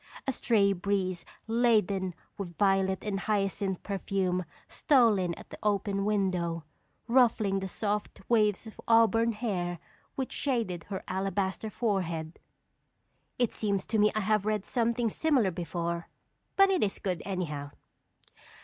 A stray breeze laden with violet and hyacinth perfume stole in at the open window, ruffling the soft waves of auburn hair which shaded her alabaster forehead." It seems to me I have read something similar before, but it is good, anyhow.